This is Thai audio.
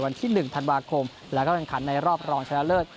วันที่๑ธันวาคมแล้วก็แข่งขันในรอบรองชนะเลิศ